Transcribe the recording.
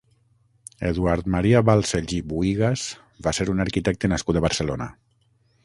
Eduard Maria Balcells i Buïgas va ser un arquitecte nascut a Barcelona.